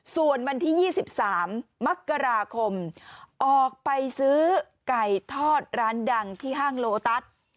ส่วนวันที่๒๓มกราคมออกไปซื้อไก่ทอดร้านดังที่ห้างโลตัส